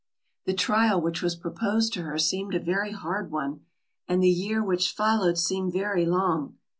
The trial which was proposed to her seemed a very hard one, and the year which followed seemed very long.